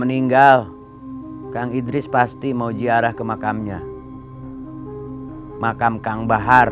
meninggal kang idris pasti mau ziarah ke makamnya makam kang bahar